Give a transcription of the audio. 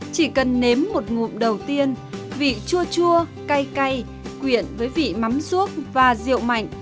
chỉ cần nếm một ngụm đầu tiên vị chua chua cây cay quyện với vị mắm ruốc và rượu mạnh